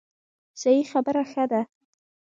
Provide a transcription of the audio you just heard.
صحیح خبره ښه ده.